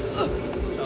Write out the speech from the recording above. どうした！？